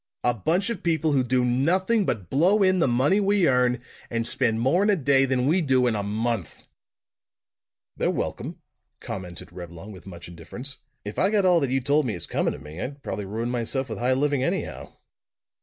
A bunch of people who do nothing but blow in the money we earn, and spend more in a day than we do in a month!" "They're welcome," commented Reblong with much indifference. "If I got all that you have told me is coming to me, I'd probably ruin myself with high living anyhow."